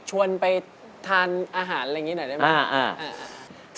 ชวนไปทานอาหารอะไรอย่างนี้หน่อยได้ไหม